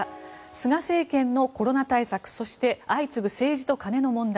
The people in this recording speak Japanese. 菅政権のコロナ対策そして相次ぐ政治と金の問題。